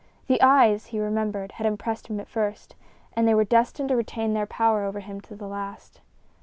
The eyes, he remembered, had impressed him at first, and they were destined to retain their power over him to the last.